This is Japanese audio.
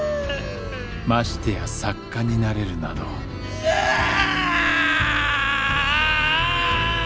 ましてや作家になれるなどああ！